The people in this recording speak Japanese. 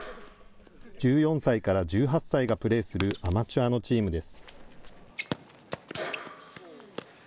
１４歳から１８歳がプレーするアマチュアのチームです。